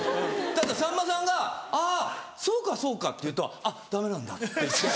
たださんまさんが「あぁそうかそうか」と言うとあっダメなんだって。